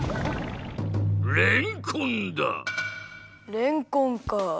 れんこんか。